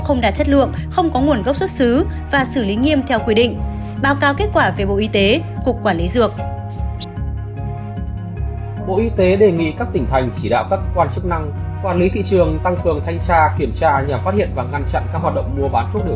không đạt chất lượng không có nguồn gốc xuất xứ và xử lý nghiêm theo quy định báo cáo kết quả